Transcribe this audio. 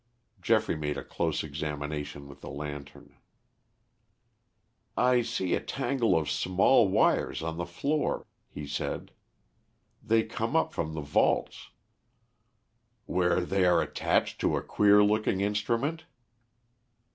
Geoffrey made a close examination with the lantern. "I see a tangle of small wires on the floor," he said. "They come up from the vaults." "Where they are attached to a queer looking instrument?"